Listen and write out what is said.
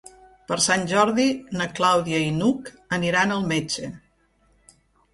Per Sant Jordi na Clàudia i n'Hug aniran al metge.